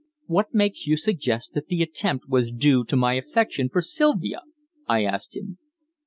"What makes you suggest that the attempt was due to my affection for Sylvia?" I asked him.